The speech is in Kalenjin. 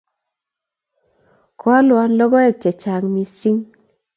Koalwon logoek chechang' missing'